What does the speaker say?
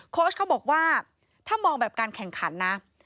ชเขาบอกว่าถ้ามองแบบการแข่งขันนะ